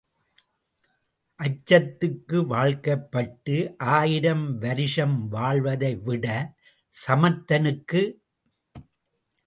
அசத்துக்கு வாழ்க்கைப்பட்டு ஆயிரம் வருஷம் வாழ்வதைவிடச் சமர்த்தனுக்கு.